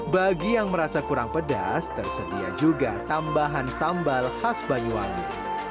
bagi yang merasa kurang pedas tersedia juga tambahan sambal khas banyuwangi